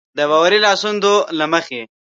د باوري لاسوندو له مخې.